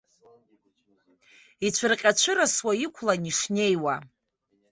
Ицәырҟьа-цәырасуа иқәлан ишнеиуа.